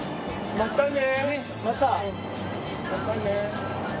またね。